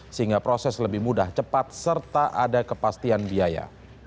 sehingga proses lebih mudah cepat serta ada kepastian biaya